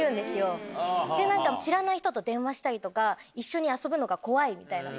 知らない人と電話したりとか一緒に遊ぶのが怖いみたいな。